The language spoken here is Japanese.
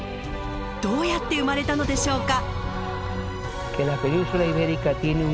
どうやって生まれたのでしょうか。